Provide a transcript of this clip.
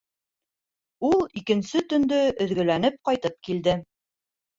Ул икенсе төндө өҙгөләнеп ҡайтып килде.